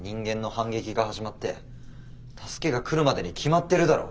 反撃が始まって助けが来るまでに決まってるだろ。